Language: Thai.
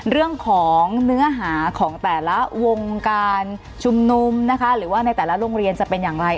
เรื่องของเนื้อหาของแต่ละวงการชุมนุมนะคะหรือว่าในแต่ละโรงเรียนจะเป็นอย่างไร